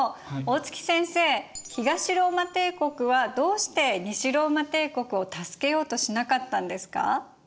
東ローマ帝国はどうして西ローマ帝国を助けようとしなかったんですか？